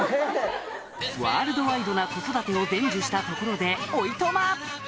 ワールドワイドな子育てを伝授したところでおいとま！